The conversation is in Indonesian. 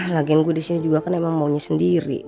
lagian gue di sini juga kan emang maunya sendiri